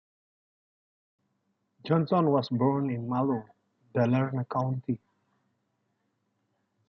Jonsson was born in Malung, Dalarna County.